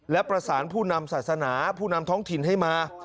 และประสานผู้นำศาสนาผู้นำท้องถิ่นให้มา